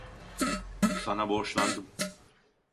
Sana borçlandım.